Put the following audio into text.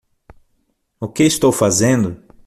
O que estou fazendo?